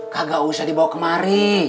kagak usah dibawa kemari